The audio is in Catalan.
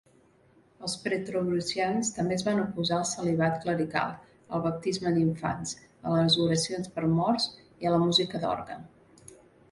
Els petrobrusians també es van oposar al celibat clerical, al baptisme d'infants, a les oracions pels morts i a la música d'orgue.